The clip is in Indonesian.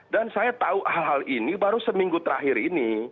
dan saya tahu hal hal ini baru seminggu terakhir ini